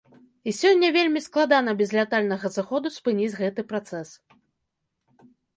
І сёння вельмі складана без лятальнага зыходу спыніць гэты працэс.